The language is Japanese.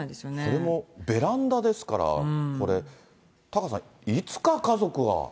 それもベランダですから、これ、タカさん、いつか家族が。